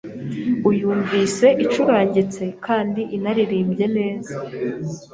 Uyumvise, icurangitse kandi inaririmbye neza